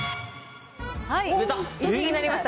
１位になりました